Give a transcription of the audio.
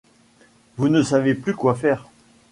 Vous ne savez plus quoi faire.